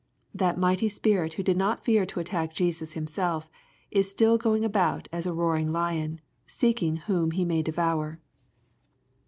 That mighty spirit who did not fear to attack Jesns himself^ is still going about as a roaring lion, seeking whom he may devour.